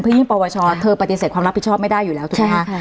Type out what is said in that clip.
ยิ่งปวชเธอปฏิเสธความรับผิดชอบไม่ได้อยู่แล้วถูกไหมคะ